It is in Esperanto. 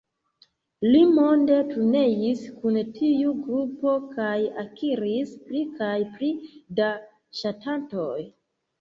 Li monde turneis kun tiu grupo kaj akiris pli kaj pli da ŝatantoj.